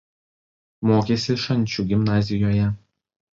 Mokėsi Šančių gimnazijoje.